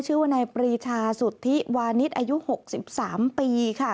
ชื่อว่านายปรีชาสุธิวานิสอายุ๖๓ปีค่ะ